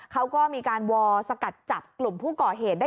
เขาก็มีการวอลสกัดจับกลุ่มผู้ก่อเหตุได้